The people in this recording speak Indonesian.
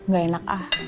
gak enak ah